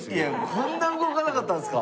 こんな動かなかったんですか？